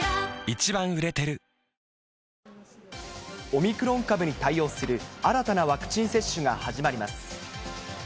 オミクロン株に対応する新たなワクチン接種が始まります。